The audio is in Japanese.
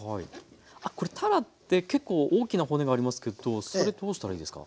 あっこれたらって結構大きな骨がありますけどそれどうしたらいいですか？